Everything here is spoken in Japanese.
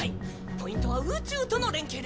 ポイントは宇宙との連携です。